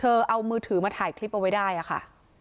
เอามือถือมาถ่ายคลิปเอาไว้ได้อะค่ะ